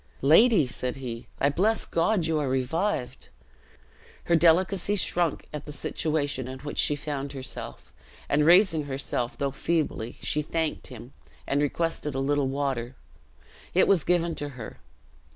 "Lady," said he, "I bless God you are revived." Her delicacy shrunk at the situation in which she found herself; and raising herself, though feebly, she thanked him, and requested a little water. It was given to her.